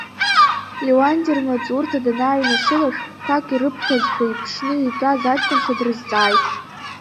Леуанти, рмаҵурҭа данааҩнашыла, шәҟәқәак ирыԥхьозшәа, иԥшны итәаз аҷкәынцәа дрызҵааит.